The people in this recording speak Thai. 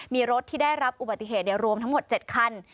มีรถที่ได้รับอุบัติเหตุรวมทั้งหมด๗คัน